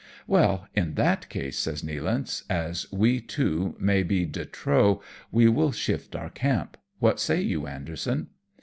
" Well, in that case," says Nealance, " as we two may be He trop we will shift our camp. What say you, Anderson